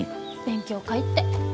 勉強会って。